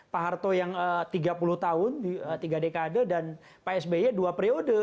pak harto yang tiga puluh tahun tiga dekade dan pak sby dua periode